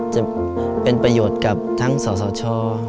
จะเป็นประโยชน์กับทั้งสสช